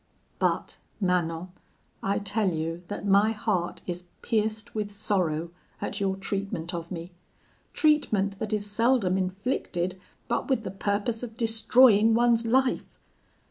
But, Manon, I tell you that my heart is pierced with sorrow at your treatment of me treatment that is seldom inflicted but with the purpose of destroying one's life.